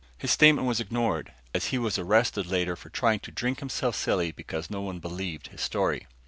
His statement was ignored, as he was arrested later while trying to drink himself silly because no one believed his story.